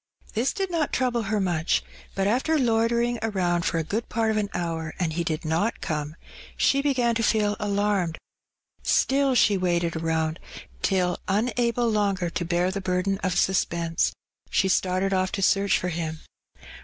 This did not trouble her much, but after loitering around for a g^od part of an hour, and he did not come, she began to feel alarmed; still she waited around, till, unable longer to bear the burden of suspense, she started oflF to search for him.